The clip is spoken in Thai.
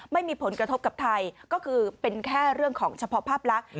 ไม่มีผลกระทบกับไทยก็คือเป็นแค่เรื่องของเฉพาะภาพลักษณ์